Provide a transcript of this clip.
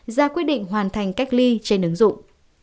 ra quyết định hoàn thành cách ly trên ứng dụng